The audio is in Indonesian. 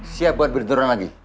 siap buat berduruan lagi